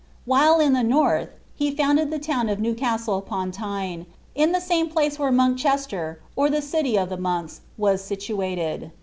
While in the north, he founded the town of Newcasde upon Tyne, in the same place where Monkcbv ter, or the city of the monks, was situated.'